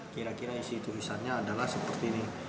kira kira isi tulisannya adalah seperti ini